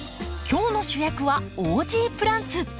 今日の主役はオージープランツ。